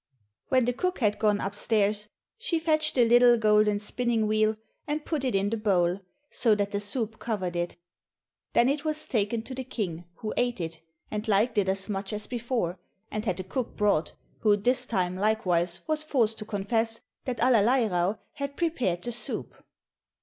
When the cook had gone up stairs, she fetched the little golden spinning wheel, and put it in the bowl so that the soup covered it. Then it was taken to the King, who ate it, and liked it as much as before, and had the cook brought, who this time likewise was forced to confess that Allerleirauh had prepared the soup.